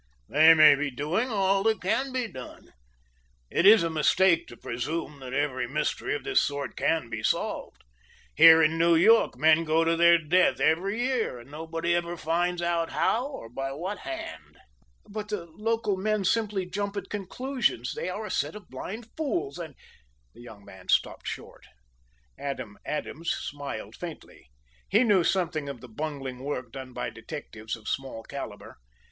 "They may be doing all that can be done. It is a mistake to presume that every mystery of this sort can be solved. Here in New York men go to their death every year and nobody ever finds out how, or by what hand." "But the local men simply jump at conclusions. They are a set of blind fools, and " The young man stopped short. Adam Adams smiled faintly. He knew something of the bungling work done by detectives of small caliber.